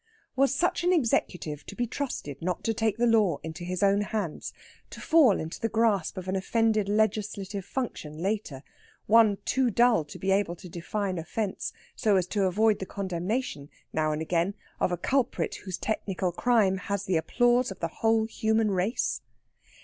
Was such an executive to be trusted not to take the law into its own hands, to fall into the grasp of an offended legislative function later one too dull to be able to define offence so as to avoid the condemnation, now and again, of a culprit whose technical crime has the applause of the whole human race?